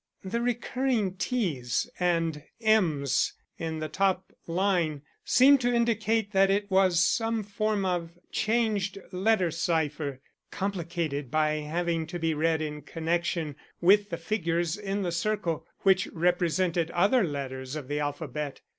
"The recurring T's and M's in the top line seemed to indicate that it was some form of changed letter cipher, complicated by having to be read in connection with the figures in the circle, which represented other letters of the alphabet.